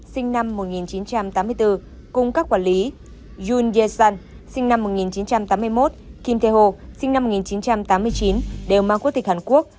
sinh năm một nghìn chín trăm tám mươi bốn cùng các quản lý yoon ye sun sinh năm một nghìn chín trăm tám mươi một kim thê hồ sinh năm một nghìn chín trăm tám mươi chín đều mang quốc tịch hàn quốc